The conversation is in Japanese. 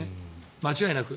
間違いなく。